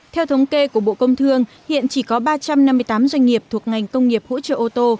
theo thống kê của bộ công thương hiện chỉ có ba trăm năm mươi tám doanh nghiệp thuộc ngành công nghiệp hỗ trợ ô tô